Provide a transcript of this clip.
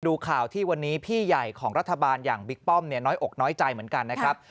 ดูข่าวที่วันนี้พี่ใหญ่ของรัฐบาลอย่างบิ๊กป้อมเนี่ยน้อยอกน้อยใจเหมือนกันนะครับ